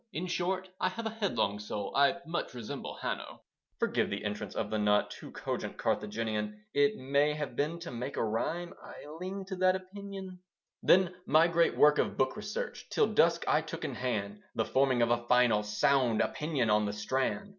In short, I have a headlong soul, I much resemble Hanno. (Forgive the entrance of the not Too cogent Carthaginian. It may have been to make a rhyme; I lean to that opinion). Then my great work of book research Till dusk I took in hand The forming of a final, sound Opinion on The Strand.